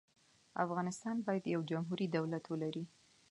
افغانستان باید یو جمهوري دولت ولري.